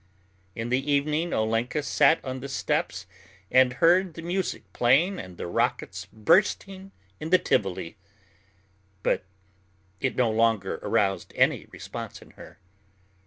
In the evening Olenka sat on the steps and heard the music playing and the rockets bursting in the Tivoli; but it no longer aroused any response in her.